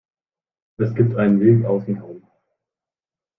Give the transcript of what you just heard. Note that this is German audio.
Es gibt einen Weg außen herum.